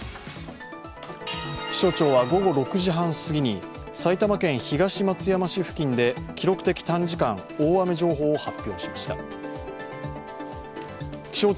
気象庁は午後６時半すぎに埼玉県東松山市付近で記録的短時間大雨情報を発表しました。